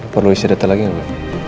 perlu isi data lagi gak